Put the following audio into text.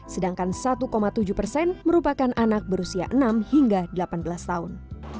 sedangkan satu tujuh persen merupakan anak berusia enam hingga delapan belas tahun